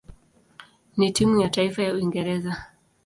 na timu ya taifa ya Uingereza.